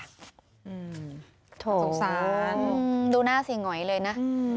สงสารดูหน้าเสียหงอยเลยนะ